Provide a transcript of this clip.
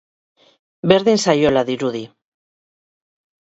Berdin zaiola dirudi.